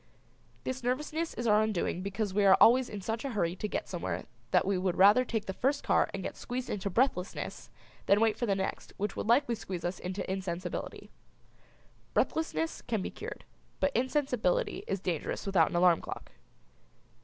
This nervousness is our undoing because we are always in such a hurry to get somewhere that we would rather take the first car and get squeezed into breathlessness than wait for the next which would likely squeeze us into insensibility. Breathlessness can be cured, but insensibility is dangerous without an alarm clock.